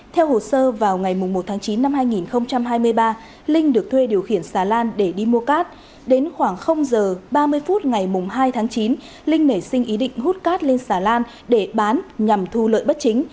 theo hồ sơ vào ngày một tháng chín năm hai nghìn hai mươi ba linh được thuê điều khiển xà lan để đi mua cát đến khoảng h ba mươi phút ngày hai tháng chín linh nảy sinh ý định hút cát lên xà lan để bán nhằm thu lợi bất chính